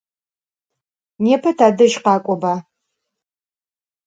Nêpe tadej khak'oba!